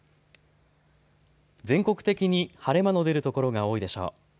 全国的に晴れ間の出る所が多いでしょう。